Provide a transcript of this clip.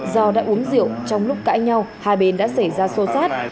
do đã uống rượu trong lúc cãi nhau hai bên đã xảy ra xô xát